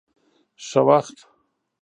ښه وخت.